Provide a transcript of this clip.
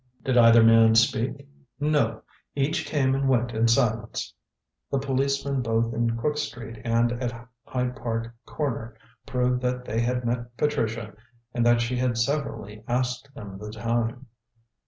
"Did either man speak?" "No. Each came and went in silence." The policemen both in Crook Street and at Hyde Park Corner proved that they had met Patricia and that she had severally asked them the time.